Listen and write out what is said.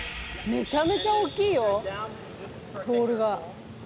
めちゃめちゃ大きいよボールが。